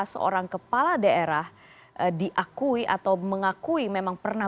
seorang kepala daerah diakui atau mengakui memang pernah